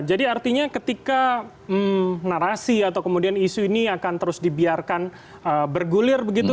jadi artinya ketika narasi atau kemudian isu ini akan terus dibiarkan bergulir begitu